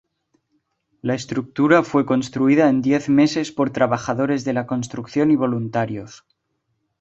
La estructura fue construida en diez meses por trabajadores de la construcción y voluntarios.